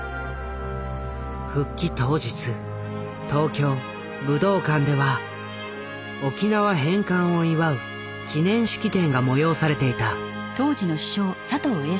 復帰当日東京武道館では沖縄返還を祝う記念式典が催されていた。